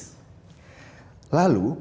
lalu bagi mereka yang berpengalaman